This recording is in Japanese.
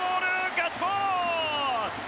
ガッツポーズ！